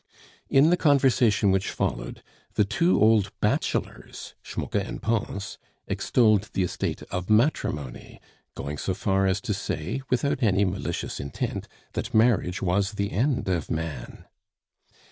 In the conversation which followed, the two old bachelors Schmucke and Pons extolled the estate of matrimony, going so far as to say, without any malicious intent, "that marriage was the end of man."